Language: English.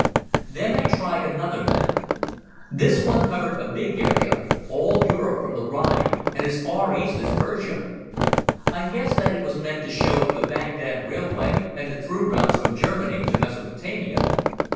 Then I tried another map. This one covered a big area, all Europe from the Rhine and as far east as Persia. I guessed that it was meant to show the Baghdad railway and the through routes from Germany to Mesopotamia.